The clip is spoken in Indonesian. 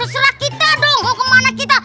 terserah kita dong mau kemana kita